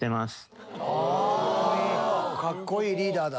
かっこいいリーダーだ。